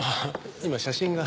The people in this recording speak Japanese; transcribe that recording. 今写真が。